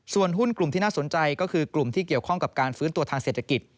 ส่วนหุ้นกลุ่มที่น่าสนใจก็คือกลุ่มที่เกี่ยวข้องกับการฟื้นตัวทางเศรษฐกิจ